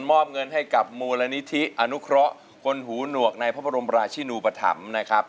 มอบเงินให้กับมูลนิธิอนุเคราะห์คนหูหนวกในพระบรมราชินูปธรรมนะครับ